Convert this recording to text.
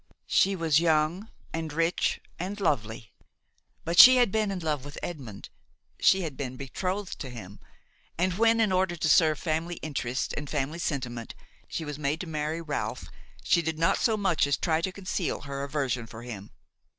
She was young and rich and lovely, but she had been in love with Edmond–she had been betrothed to him; and when, in order to serve family interests and family sentiment, she was made to marry Ralph, she did not so much as try to conceal her aversion for him.